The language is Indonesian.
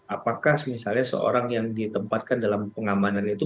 apakah misalnya seorang yang ditempatkan dalam pengamanan itu